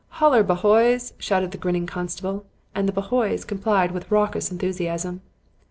"'Holler, bhoys!' shouted the grinning constable; and the 'bhoys' complied with raucous enthusiasm.